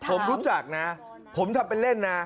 ผมรู้จักนะผมทำเป็นเล่นนะ